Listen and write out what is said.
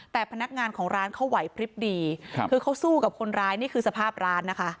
แต่พนักงานของร้านเขาไหวพลิบดีคือเขาสู้กับคนร้ายนี่คือสภาพร้านนะคะ